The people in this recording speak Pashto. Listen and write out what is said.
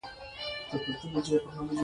د زړه خبرې اورېدل مهارت غواړي.